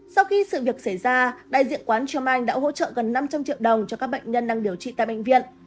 sau khi sự việc xảy ra đại diện quán trơm anh đã hỗ trợ gần năm trăm linh triệu đồng cho các bệnh nhân đang điều trị tại bệnh viện